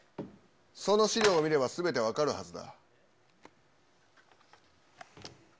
その資料を見ればすべて分かるはずだ。